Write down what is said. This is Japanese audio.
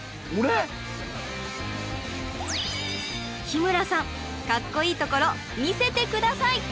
日村さんかっこいいところ見せて下さい！